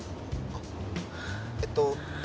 あっえっと。